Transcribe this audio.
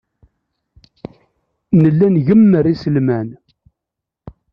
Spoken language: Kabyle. Nella ngemmer iselman.